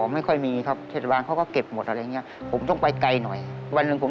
ไม่คุ้ม